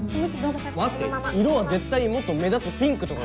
待って色は絶対もっと目立つピンクとかがいい。